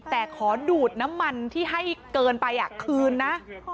แต่ขอดูดน้ำมันที่ให้เกินไปคืนนะ